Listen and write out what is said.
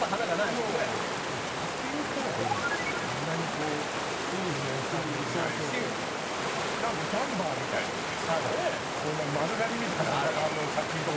もうどっちかっていうとそんなにこうイケメンさんでもないし。なんかジャンパーみたいの着てさこんな丸刈りみたいな頭の写真とかだもんね。